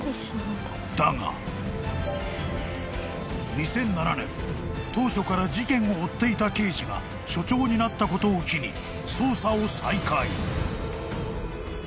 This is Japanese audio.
［２００７年当初から事件を追っていた刑事が署長になったことを機に捜査を再開］